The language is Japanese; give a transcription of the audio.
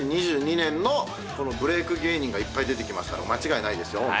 ２０２２年のブレーク芸人がいっぱい出てきますから間違いないですよ。